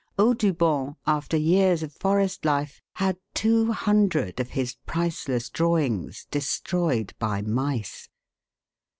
Audubon after years of forest life had two hundred of his priceless drawings destroyed by mice.